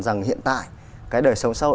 rằng hiện tại cái đời sống sau